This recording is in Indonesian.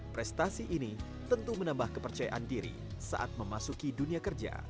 prestasi ini tentu menambah kepercayaan diri saat memasuki dunia kerja